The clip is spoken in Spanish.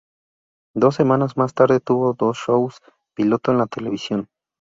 Dos semanas más tarde tuvo dos shows piloto en la televisión.